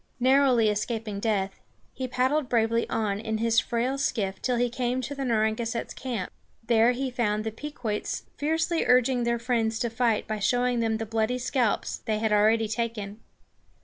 Narrowly escaping death, he paddled bravely on in his frail skiff till he came to the Narragansetts' camp. There he found the Pequots fiercely urging their friends to fight by showing them the bloody scalps they had already taken.